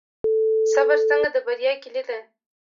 صبر څنګه د بریا کیلي ده؟